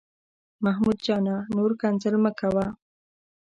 محمود جانه، نور کنځل مه کوه.